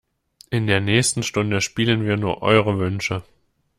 In der nächsten Stunde spielen wir nur eure Wünsche.